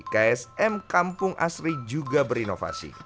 ksm kampung asri juga berinovasi